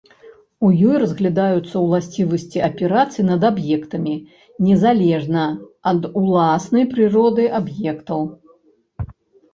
У ёй разглядаюцца ўласцівасці аперацый над аб'ектамі незалежна ад уласна прыроды аб'ектаў.